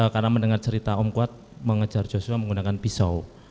karena mendengar cerita om kuat mengejar joshua menggunakan pisau